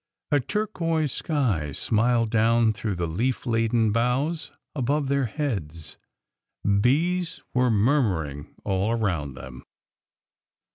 A turquoise sky smiled down through the leaf laden boughs above their heads; bees were murmuring all around them.